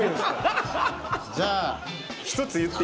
じゃあ。